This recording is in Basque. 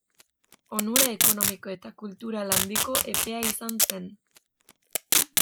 Onura ekonomiko eta kultural handiko epea izan zen.